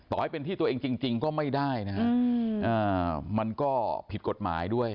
ให้เป็นที่ตัวเองจริงก็ไม่ได้นะฮะมันก็ผิดกฎหมายด้วย